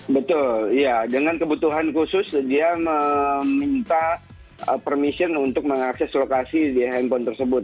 betul ya dengan kebutuhan khusus dia meminta permission untuk mengakses lokasi di handphone tersebut